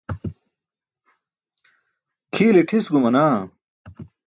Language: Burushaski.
kʰiile ṭhis gumanaa